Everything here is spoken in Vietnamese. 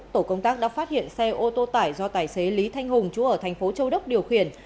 tổ công tác đã phát hiện xe ô tô tải do tài xế lý thanh hùng chú ở thành phố châu đốc điều khiển